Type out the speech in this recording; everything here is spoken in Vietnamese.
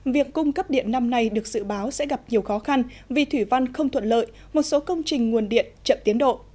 việc cung cấp điện năm nay được dự báo sẽ gặp nhiều khó khăn vì thủy văn không thuận lợi một số công trình nguồn điện chậm tiến độ